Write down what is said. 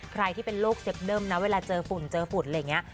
ใครที่เป็นโรคเซฟเดิมนะเวลาเจอฝุ่นเจอฝุ่นอะไรอย่างนี้